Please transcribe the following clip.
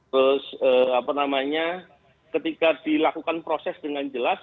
terus apa namanya ketika dilakukan proses dengan jelas